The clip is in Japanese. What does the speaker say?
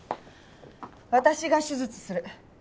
私が手術する。